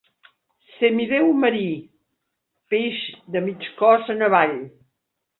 Semidéu marí, peix de mig cos en avall.